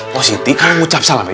positif kamu ucap salamnya